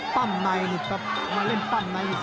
ปั้่มในมาเล่นปั้่มใน